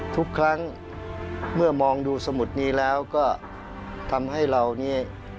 ทุกครั้งเมื่อมองดูสมุดนี้แล้วก็ทำให้เรานี่